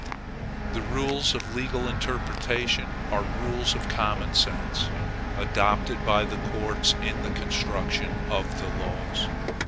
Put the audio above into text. The rules of legal interpretation are rules of common sense, adopted by the courts in the construction of the laws.